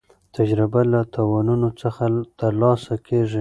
تجربه له تاوانونو څخه ترلاسه کېږي.